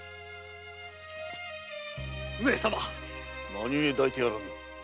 何故抱いてやらぬ？